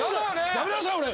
やめなさい！